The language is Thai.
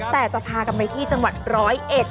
แต่จะพากันไปที่จังหวัดร้อยเอ็ด